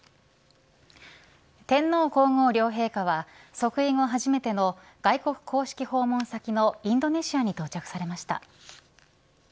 天皇皇后両陛下は即位後初めての外国公式訪問先のインドネシアに到着されました。